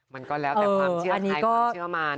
มันก็แล้วแต่ความเชื่อใครความเชื่อมัน